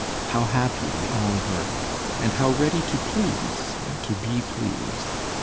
How happy they all were! And how ready to please and to be pleased.